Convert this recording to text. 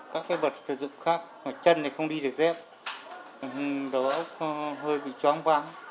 các vật thực dụng khác chân thì không đi được dép đầu óc hơi bị choáng váng